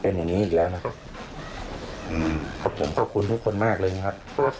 ฟังเสียงเขาหน่อยครับ